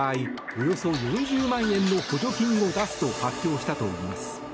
およそ４０万円の補助金を出すと発表したといいます。